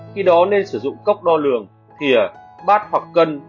khi đó nên sử dụng cốc đo lường thìa bát hoặc cân